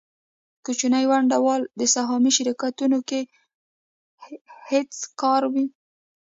کوچني ونډه وال په سهامي شرکتونو کې هېڅکاره وي